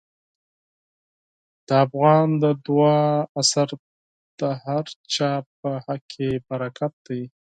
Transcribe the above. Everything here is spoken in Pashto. د افغان د دعا اثر د هر چا په حق کې برکت دی.